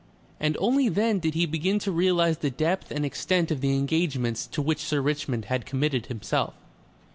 And only then did he begin to realize the depth and extent of the engagements to which Sir Richmond had committed himself.